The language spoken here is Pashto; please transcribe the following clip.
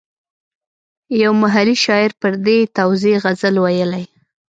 یو محلي شاعر پر دې توزېع غزل ویلی.